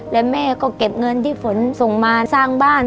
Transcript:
แล้วแม่ก็เก็บเงินที่ฝนส่งมาสร้างบ้าน